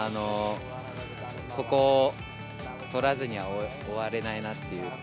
ここを取らずには終われないなという。